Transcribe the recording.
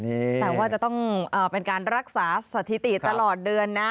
แต่ว่าจะต้องเป็นการรักษาสถิติตลอดเดือนนะ